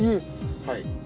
はい。